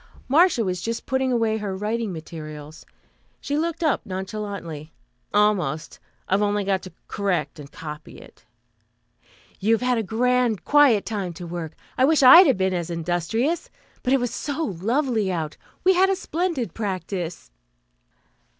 Marcia was just putting away her writing materials. She looked up nonchalantly. "Almost. I've only to correct and copy it." "You've had a grand quiet time to work. I wish I had been as industrious; but it was so lovely out. We had a splendid practice."